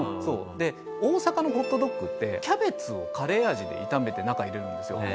で大阪のホットドッグってキャベツをカレー味で炒めて中に入れるんですよ。